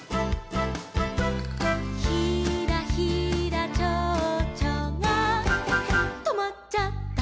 「ひらひらちょうちょがとまっちゃった」